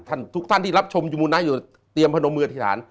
ทุกท่านที่รับชมอยู่มูลนะอยู่เตรียมพนมมืออธิษฐาน